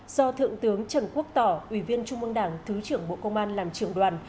do thượng tướng trần quốc tỏ ủy viên trung ương đảng thứ trưởng bộ công an làm trường đoàn